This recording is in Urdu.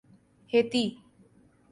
ہیتی